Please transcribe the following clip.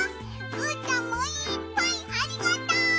うーたんもいっぱいありがとう！